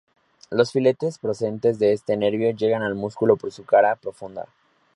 Los filetes procedentes de este nervio llegan al músculo por su cara profunda.